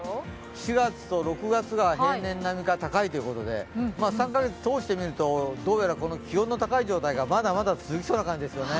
４月と６月が平年並みか高いということで３か月通して見るとどうやら気温の高い状態がまだまだ続きそうな感じですよね。